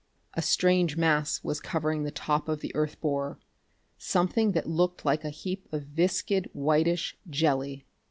A strange mass was covering the top of the earth borer something that looked like a heap of viscid, whitish jelly.